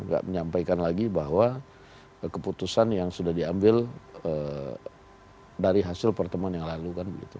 tidak menyampaikan lagi bahwa keputusan yang sudah diambil dari hasil pertemuan yang lalu kan begitu